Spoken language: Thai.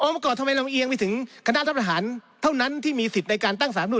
เมื่อก่อนทำไมเราเอียงไปถึงคณะรัฐประหารเท่านั้นที่มีสิทธิ์ในการตั้งสารมนุน